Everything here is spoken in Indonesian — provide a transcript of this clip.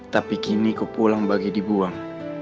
tapi kini ku pulang bagi dibuang